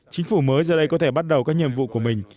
chính phủ mới giờ đây có thể bắt đầu các nhiệm vụ của mình